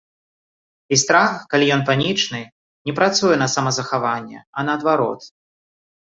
І страх, калі ён панічны, не працуе на самазахаванне, а наадварот.